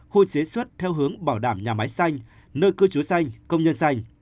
khu chế xuất theo hướng bảo đảm nhà máy xanh nơi cư trú xanh công nhân xanh